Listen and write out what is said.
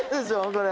これ。